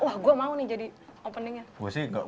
wah gue mau nih jadi openingnya